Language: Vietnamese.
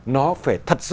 nó phải thật sự